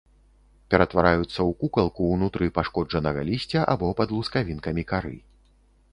Ператвараюцца ў кукалку ўнутры пашкоджанага лісця або пад лускавінкамі кары.